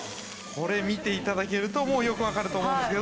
これ見て頂けるともうよくわかると思うんですけど。